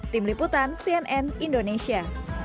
tim liputan cnn indonesia